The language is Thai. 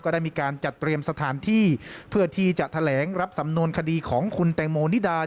ได้มีการจัดเตรียมสถานที่เพื่อที่จะแถลงรับสำนวนคดีของคุณแตงโมนิดา